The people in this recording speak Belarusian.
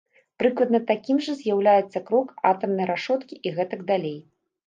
Прыкладна такім жа з'яўляецца крок атамнай рашоткі і гэтак далей.